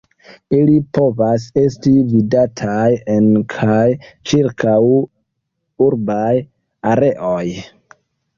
Ili povas esti vidataj en kaj ĉirkaŭ urbaj areoj.